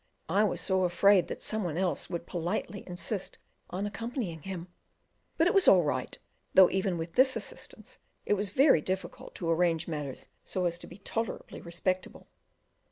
I was so afraid that some one else would politely insist on accompanying him. But it was all right, though even with this assistance it was very difficult to arrange matters so as to be tolerably respectable.